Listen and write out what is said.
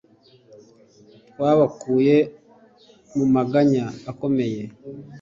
Twabakuye mu maganya akomeye